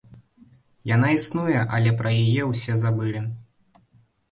Яна існуе, але пра яе ўсе забылі.